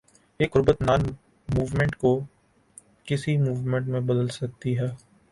یہ قربت non movement کو کسی موومنٹ میں بدل سکتی ہے۔